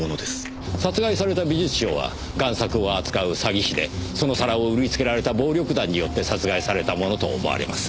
殺害された美術商は贋作を扱う詐欺師でその皿を売りつけられた暴力団によって殺害されたものと思われます。